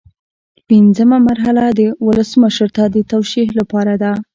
پنځمه مرحله ولسمشر ته د توشیح لپاره ده.